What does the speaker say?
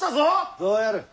どうやる。